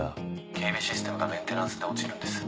警備システムがメンテナンスで落ちるんです。